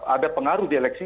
ada pengaruh di eleksi